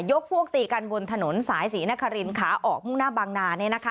ยกพวกตีกันบนถนนสายศรีนครินขาออกมุ่งหน้าบางนาเนี่ยนะคะ